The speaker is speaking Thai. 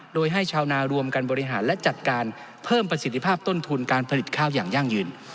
โดยให้ชาวนารวมกันบริหารและจัดการเพิ่มประสิทธิภาพต้นทุนการผลิตข้าวอย่างยั่งยืน